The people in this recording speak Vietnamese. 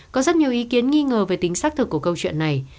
có rất nhiều ý kiến nghi ngờ về tính xác thực của câu chuyện này